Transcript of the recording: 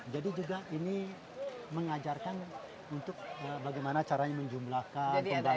jadi juga ini mengajarkan untuk bagaimana caranya menjumlakan pembagian